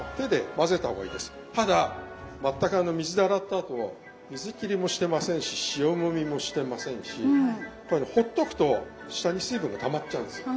あと水切りもしてませんし塩もみもしてませんしこれねほっとくと下に水分がたまっちゃうんですよ。